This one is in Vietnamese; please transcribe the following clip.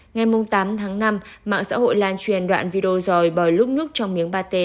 ngay mùng tám tháng năm mạng xã hội lan truyền đoạn video dòi bò lúc nhúc trong miếng pate